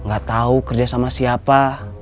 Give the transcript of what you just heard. gak tahu kerja sama siapa